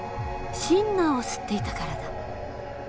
シンナーを吸っていたからだ。